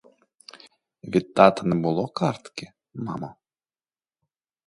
Від тата не було картки, мамо?